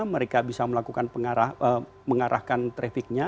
mereka bisa melakukan pengarah mengarahkan trafiknya